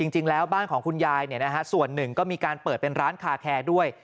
จริงแล้วบ้านของคุณยายส่วนหนึ่งก็มีการเปิดเป็นร้านคาแคร์ด้วย